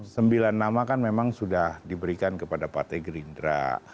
sembilan nama kan memang sudah diberikan kepada partai gerindra